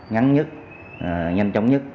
ngắn nhất nhanh chóng nhất